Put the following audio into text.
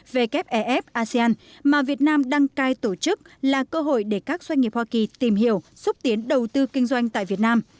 wfef asean mà việt nam đăng cai tổ chức là cơ hội để các doanh nghiệp hoa kỳ tìm hiểu xúc tiến đầu tư kinh doanh tại việt nam